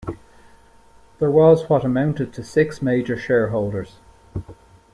There was what amounted to six major shareholders.